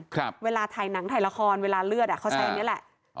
เวลาถ่ายหนังถ่ายละครเวลาเลือดอ่ะเขาใช้อันนี้แหละ